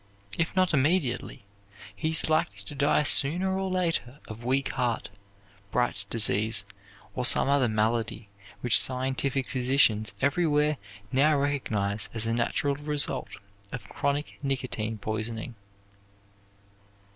If not immediately, he is likely to die sooner or later of weak heart, Bright's disease, or some other malady which scientific physicians everywhere now recognize as a natural result of chronic nicotine poisoning."